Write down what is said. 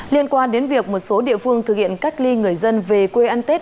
liên quan đến việc một số địa phương thực hiện cách ly người dân về quê ăn tết